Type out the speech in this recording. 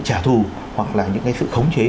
trả thù hoặc là những cái sự khống chế